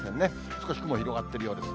少し雲、広がっているようです。